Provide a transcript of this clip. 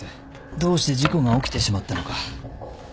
どうして事故が起きてしまったのか公表します。